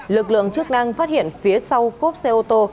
lực lượng chức năng phát hiện phía sau cốp xe ô tô